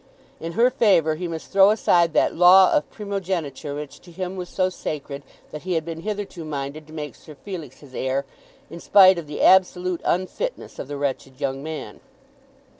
In her favour he must throw aside that law of primogeniture which to him was so sacred that he had been hitherto minded to make Sir Felix his heir in spite of the absolute unfitness of the wretched young man.